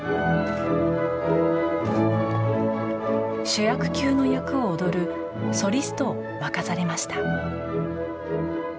主役級の役を踊るソリストを任されました。